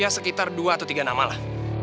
sekitar dua atau tiga nama lah